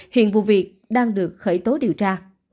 hiện vụ việc đang được khởi tố điều tra